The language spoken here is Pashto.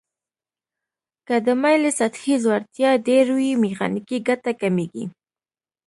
که د مایلې سطحې ځوړتیا ډیر وي میخانیکي ګټه کمیږي.